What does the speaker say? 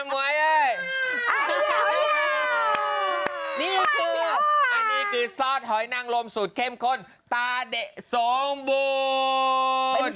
นี่คือซอสหอยนังลมสูตรเข้มข้นตาเดะสองบูน